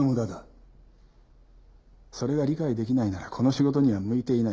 それが理解できないならこの仕事には向いていない。